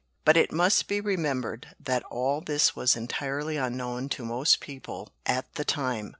But it must be remembered that all this was entirely unknown to most people at the time.